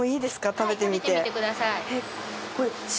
食べてみてください。